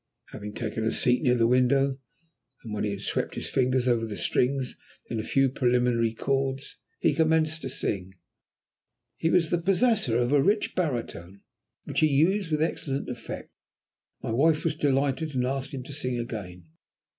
Having taken a seat near the window, and when he had swept his fingers over the strings in a few preliminary chords, he commenced to sing. He was the possessor of a rich baritone, which he used with excellent effect. My wife was delighted, and asked him to sing again.